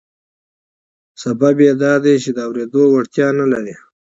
لامل یې دا دی چې د اورېدو وړتیا نه لري